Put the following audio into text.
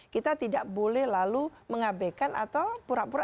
kita tidak boleh lalu mengabekan atau pura pura